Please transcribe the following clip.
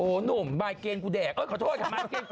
โอ้โหหนุ่มบ้ายเกณฑ์กูแดกเอ้ยขอโทษค่ะ